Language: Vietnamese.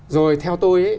rồi theo tôi ấy